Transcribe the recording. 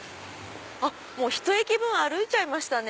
もうひと駅分歩いちゃいましたね。